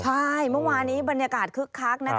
ใช่มะวานหนี้บรรยากาศคึกคัก